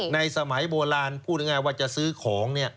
สมัยโบราณพูดง่ายว่าจะซื้อของ